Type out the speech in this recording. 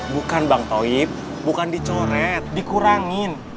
bukan bang toib bukan dicoret dikurangin